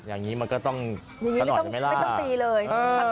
อย่างนี้ไม่ต้องตีเลย